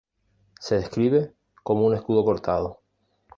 Se describe como un escudo cortado.